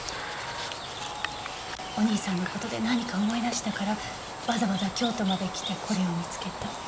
お兄さんの事で何か思い出したからわざわざ京都まで来てこれを見つけた。